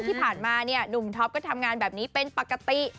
ที่ผ่านมาเนี่ยหนุ่มท็อปก็ทำงานแบบนี้เป็นปกติ